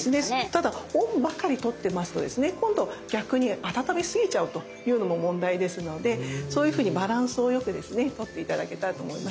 ただ「温」ばかりとってますとですね今度逆に温めすぎちゃうというのも問題ですのでバランスよくとって頂けたらと思います。